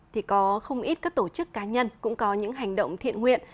thì có không ít các tổ chức cá nhân cũng có những hành động thiện nguyện